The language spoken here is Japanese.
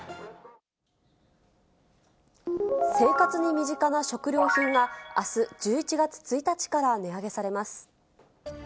生活に身近な食料品が、あす、１１月１日から値上げされます。